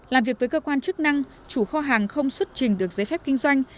làm việc với cơ quan chức năng chủ kho hàng không xuất trình được giấy phép kinh doanh